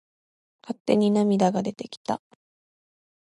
勝手に涙が出てきた。